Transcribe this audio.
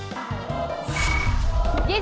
๒๙บาท